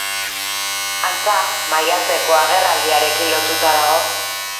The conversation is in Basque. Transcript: Antza, maiatzeko agerraldiarekin lotuta dago.